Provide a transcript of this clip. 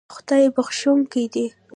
خدای بښونکی دی